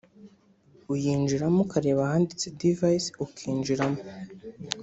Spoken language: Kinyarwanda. uyinjiramo ukareba ahanditse ’Devices’ ukinjiramo